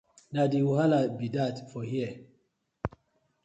Na de wahala bi dat for here.